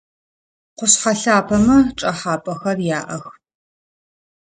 Къушъхьэ лъапэмэ чӏэхьапэхэр яӏэх.